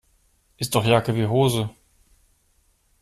Ist doch Jacke wie Hose.